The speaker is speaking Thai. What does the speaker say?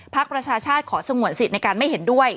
ประชาชาติขอสงวนสิทธิ์ในการไม่เห็นด้วย